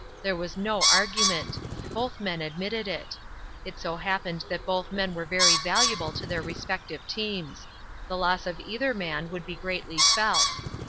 There was no argument. Both men admitted it. It so happened that both men were very valuable to their respective teams. The loss of either man would be greatly felt.